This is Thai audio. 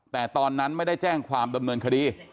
แต่ตอนนั้นไม่ได้แจ้งความดำเนินคดี